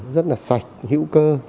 rất là sạch hữu cơ